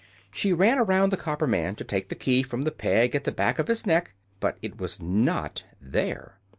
She ran around the copper man to take the key from the peg at the back of his neck, but it was not there.